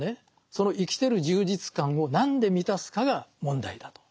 その生きてる充実感を何で満たすかが問題だと。